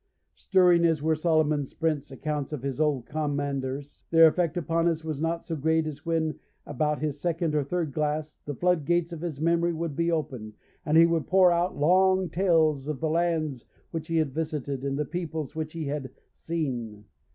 Stirring as were Solomon Sprent's accounts of his old commanders, their effect upon us was not so great as when, about his second or third glass, the floodgates of his memory would be opened, and he would pour out long tales of the lands which he had visited, and the peoples which he had seen.